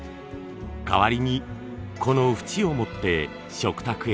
代わりにこの縁を持って食卓へ。